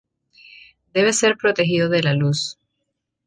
Debe ser protegido de la luz.